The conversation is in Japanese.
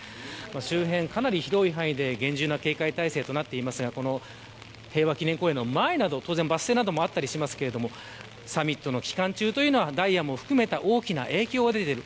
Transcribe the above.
周辺かなり広い範囲で厳重な警戒態勢となっていますがこの平和記念公園の前はバス停などもありますがサミットの期間中は、ダイヤも含めた大きな影響が出ている。